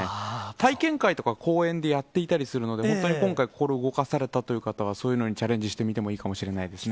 体験会とか、こうえんでやっていたりするので、本当に今回、心動かされたという方は、そういうのにチャレンジしてみてもいいかもしれませんね。